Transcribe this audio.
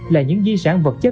là những di sản vật chất